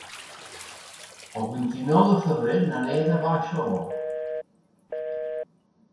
El vint-i-nou de febrer na Neida va a Xaló.